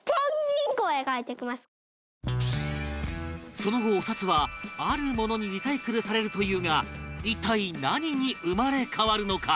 その後、お札は、あるものにリサイクルされるというが一体、何に生まれ変わるのか？